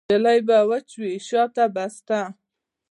نجلۍ به واچوي وشا ته بسته